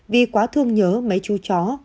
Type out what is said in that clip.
vì quá thương nhớ mấy chú chó